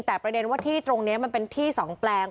แต่ประเด็นว่าที่ตรงนี้มันเป็นที่สองแปลง